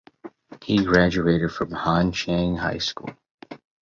He graduated from Han Chiang High School.